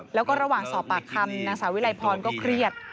แล้วก็ระหว่างสอบปากคำนางสาววิลัยพรก็เครียด